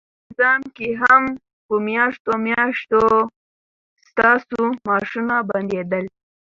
تېر نظام کې هم په میاشتو میاشتو ستاسو معاشونه بندیدل،